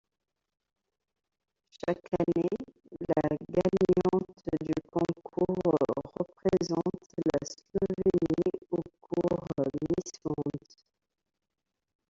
Chaque année, la gagnante du concours représente la Slovénie au concours Miss Monde.